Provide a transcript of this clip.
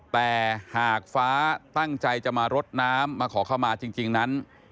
แต่หากฟ้าตั้งใจจะมารดน้ำมาขอเข้ามาจริงนั้น